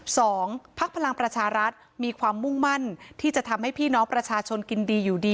ภักดิ์พลังประชารัฐมีความมุ่งมั่นที่จะทำให้พี่น้องประชาชนกินดีอยู่ดี